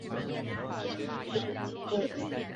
中华拟锯齿蛤为贻贝科拟锯齿蛤属的动物。